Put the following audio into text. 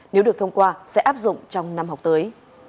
nếu được thông qua sẽ áp dụng trong năm học tới